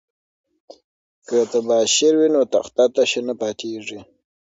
که تباشیر وي نو تخته تشه نه پاتیږي.